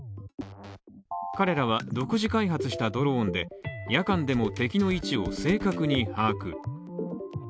彼らは独自開発したドローンで夜間でも敵の位置を正確に把握。